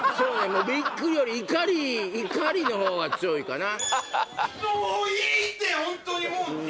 もうビックリより怒りの方が強いかな